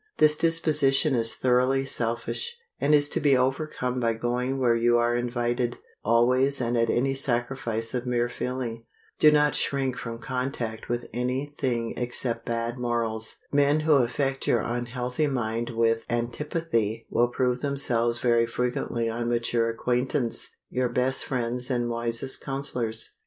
This disposition is thoroughly selfish, and is to be overcome by going where you are invited, always and at any sacrifice of mere feeling. Do not shrink from contact with any thing except bad morals. Men who affect your unhealthy mind with antipathy will prove themselves very frequently on mature acquaintance your best friends and wisest counselors.